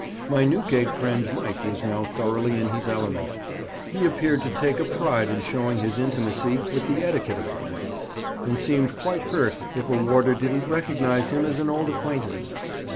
My Newgate friend Mike was now thoroughly in his element; he appeared to take a pride in showing his intimacy with the etiquette of the place, and seemed quite hurt if a warder didn't recognize him as an old acquaintance.